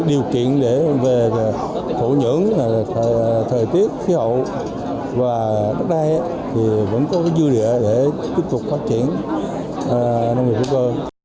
điều kiện để phổ nhẫn thời tiết khí hậu và đất đai vẫn có dư địa để tiếp tục phát triển nông nghiệp hữu cơ